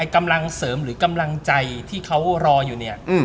กำลังเสริมหรือกำลังใจที่เขารออยู่เนี่ย